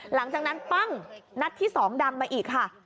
หลังจากนั้นปั้งนัดที่๒ดังมาอีกค่ะ